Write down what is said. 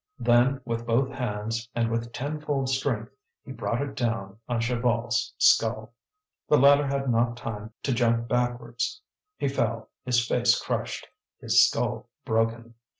Then with both hands and with tenfold strength he brought it down on Chaval's skull. The latter had not time to jump backwards. He fell, his face crushed, his skull broken.